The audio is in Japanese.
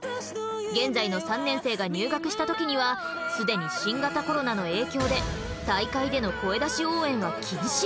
現在の３年生が入学した時には既に新型コロナの影響で大会での声出し応援は禁止。